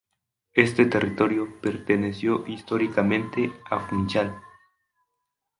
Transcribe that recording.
Este territorio perteneció históricamente a Funchal.